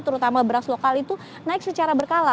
terutama beras lokal itu naik secara berkala